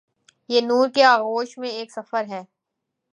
یہ نور کے آغوش میں ایک سفر ہے۔